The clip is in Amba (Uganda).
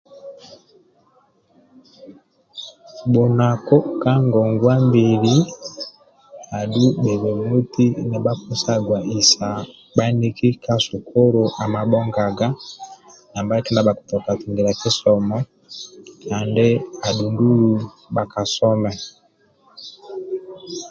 Bhunaku ka ngogwabili adhu bhebemoti nibhakisagwa bhisa maniki ka sukulu amabhogaga kidia makilika nimakisoma kandi adhudulu bhakasome